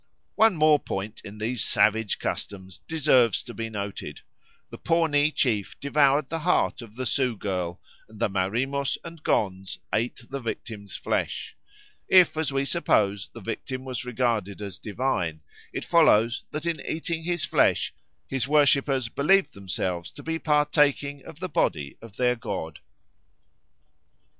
One more point in these savage customs deserves to be noted. The Pawnee chief devoured the heart of the Sioux girl, and the Marimos and Gonds ate the victim's flesh. If, as we suppose, the victim was regarded as divine, it follows that in eating his flesh his worshippers believed themselves to be partaking of the body of their god.